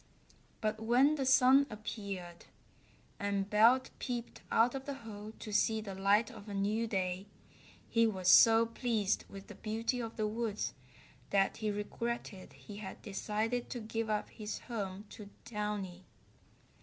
But when the sun appeared, and Belt peeped out of the hole to see the light of a new day, he was so pleased with the beauty of the woods that he regretted he had decided to give up his home to Downy.